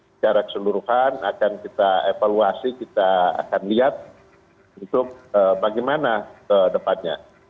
secara keseluruhan akan kita evaluasi kita akan lihat untuk bagaimana ke depannya